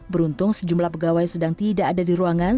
beruntung sejumlah pegawai sedang tidak ada di ruangan